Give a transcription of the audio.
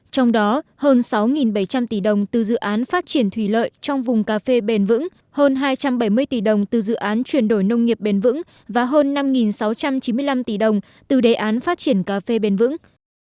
trong đó hơn sáu bảy trăm linh tỷ đồng từ dự án phát triển thủy lợi trong vùng cà phê bền vững hơn hai trăm bảy mươi tỷ đồng từ dự án chuyển đổi nông nghiệp bền vững và hơn năm sáu trăm chín mươi năm tỷ đồng từ đề án phát triển cà phê bền vững